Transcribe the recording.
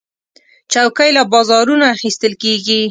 چوکۍ له بازارونو اخیستل کېږي.